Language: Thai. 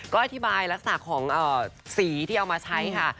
ก็อธิบายลักษณะของสีที่เอามาใช้ค่ะ